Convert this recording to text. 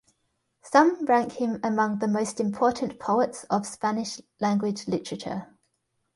Some rank him among the most important poets of Spanish language literature.